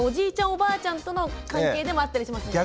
おばあちゃんとの関係でもあったりしますもんね。